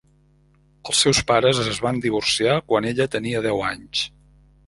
Els seus pares es van divorciar quan ella tenia deu anys.